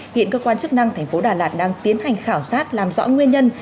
hiện cơ quan chức năng tp đà lạt đang tiến hành khảo sát làm rõ nguyên nhân